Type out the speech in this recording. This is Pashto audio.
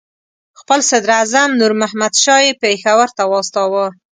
خپل صدراعظم نور محمد شاه یې پېښور ته واستاوه.